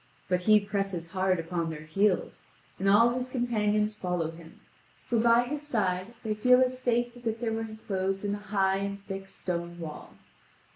But he presses hard upon their heels, and all his companions follow him, for by his side they feel as safe as if they were enclosed in a high and thick stone wall.